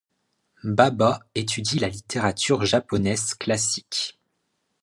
Baba étudie la littérature japonaise classique.